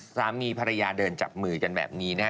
สามีภรรยาเดินจับมือกันแบบนี้นะฮะ